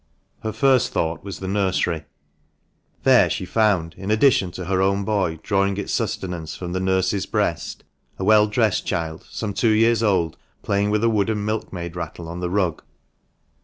Her first thought was the nursery. There she found, in Addition to her own boy, drawing its sustenance from the nurse's THE MANCHESTER MAN. 431 breast, a well dressed child, some two years old, playing with a wooden milkmaid rattle on the rug.